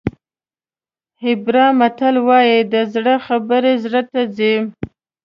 هیبرا متل وایي د زړه خبرې زړه ته ځي.